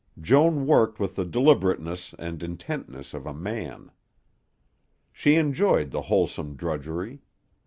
Joan worked with the deliberateness and intentness of a man. She enjoyed the wholesome drudgery.